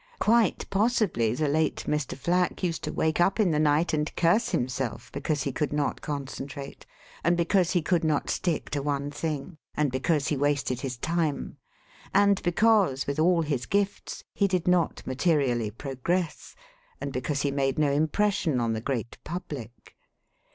"Quite possibly the late Mr. Flack used to wake up in the night and curse himself because he could not concentrate, and because he could not stick to one thing, and because he wasted his time, and because, with all his gifts, he did not materially progress, and because he made no impression on the great public.